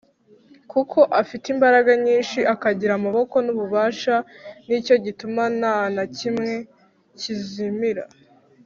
kuko afite imbaraga nyinshi akagira amaboko n’ububasha ni cyo gituma nta na kimwe kizimira